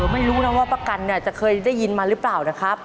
ไม่รู้นะว่าประกันเนี่ยจะเคยได้ยินมาหรือเปล่านะครับ